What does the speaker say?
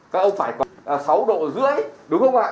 các ông phải có sáu độ rưỡi đúng không ạ